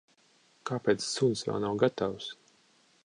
Kāpēc suns vēl nav gatavs?